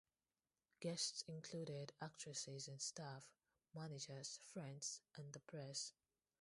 Guests included actresses and staff, managers, friends, and the press.